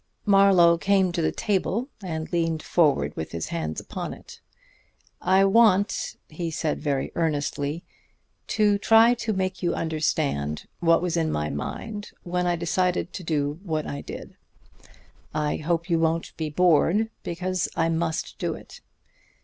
Marlowe came to the table and leaned forward with his hands upon it. "I want," he said very earnestly, "to try to make you understand what was in my mind when I decided to do what I did. I hope you won't be bored, because I must do it.